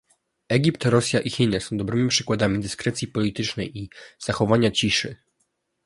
Egipt, Rosja i Chiny są dobrymi przykładami "dyskrecji politycznej" i zachowywania "ciszy"